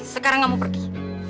sekarang kamu pergi